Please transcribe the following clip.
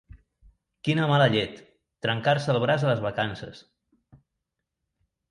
Quina mala llet, trencar-se el braç a les vacances!